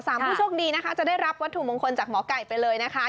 ผู้โชคดีนะคะจะได้รับวัตถุมงคลจากหมอไก่ไปเลยนะคะ